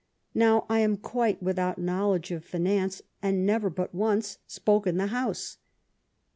Now, I am quite without knowledge of finance, and never bat once spoke in the House.